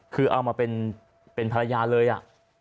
คือเอามาเป็นภรรยาเลยอ่ะ